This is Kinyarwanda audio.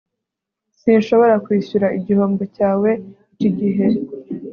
sinshobora kwishyura igihombo cyawe iki gihe